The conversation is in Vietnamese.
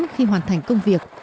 khi hoàn thành công việc